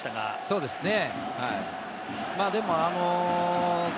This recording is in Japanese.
そうですね、はい。